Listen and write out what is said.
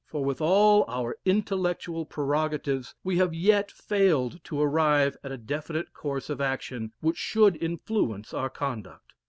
For with all our intellectual prerogatives, we have yet failed to arrive at a definite course of action which should influence our conduct.